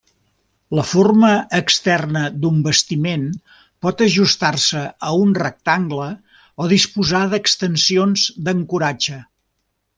La forma externa d'un bastiment pot ajustar-se a un rectangle o disposar d'extensions d'ancoratge.